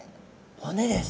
骨です。